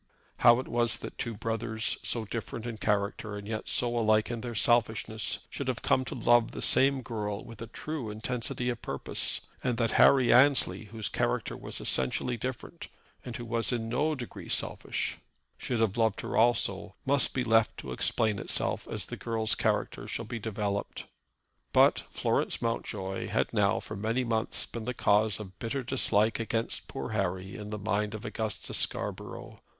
How it was that two brothers, so different in character, and yet so alike in their selfishness, should have come to love the same girl with a true intensity of purpose, and that Harry Annesley, whose character was essentially different, and who was in no degree selfish, should have loved her also, must be left to explain itself as the girl's character shall be developed. But Florence Mountjoy had now for many months been the cause of bitter dislike against poor Harry in the mind of Augustus Scarborough.